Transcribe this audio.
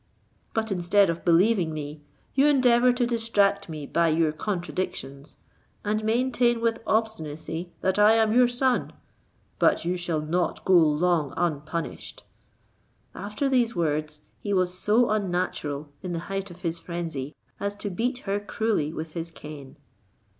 But instead of believing me, you endeavour to distract me by your contradictions, and maintain with obstinacy that I am your son; but you shall not go long unpunished." After these words, he was so unnatural, in the height of his frenzy, as to beat her cruelly with his cane.